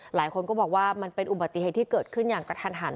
หลายคนก็บอกว่ามันเป็นอุบัติเหตุที่เกิดขึ้นอย่างกระทันหัน